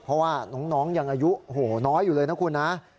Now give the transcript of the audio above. เพราะว่าน้องยังอายุน้อยอยู่เลยนะคุณนะ